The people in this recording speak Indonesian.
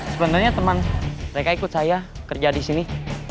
sebenarnya teman mereka ikut saya kerja di sini